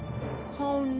そんな。